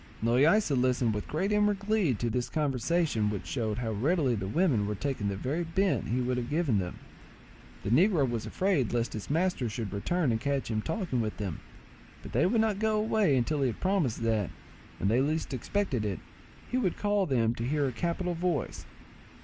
Loaysa listened with great inward glee to this conversation, which showed how readily the women were taking the very bent he would have given them. The negro was afraid lest his master should return and catch him talking with them; but they would not go away until he had promised that, when they least expected it, he would call them to hear a capital voice.